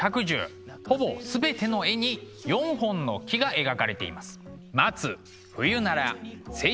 ほぼ全ての絵に４本の木が描かれています。